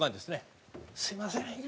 すいません。